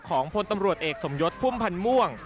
พลตำรวจเอกสมยศพุ่มพันธ์ม่วง